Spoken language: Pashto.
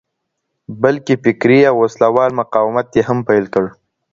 بلکي فکري او وسله وال مقاومت ئې هم پیل کړ.